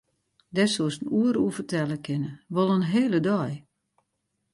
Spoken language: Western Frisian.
Dêr soest in oere oer fertelle kinne, wol in hele dei.